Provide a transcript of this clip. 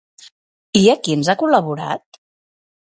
I a quins ha col·laborat?